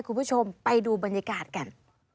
คุณผู้ชมไปดูบรรยากาศกัน